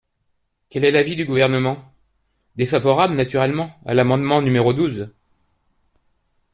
Quel est l’avis du Gouvernement ? Défavorable, naturellement, à l’amendement numéro douze.